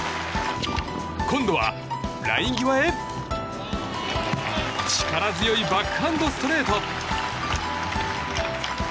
今度は、ライン際へ力強いバックハンドストレート。